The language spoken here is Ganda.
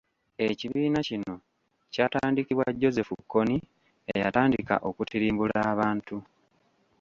Ekibiina kino kyatandikibwa Joseph Kony eyatandika okutirimbula abantu.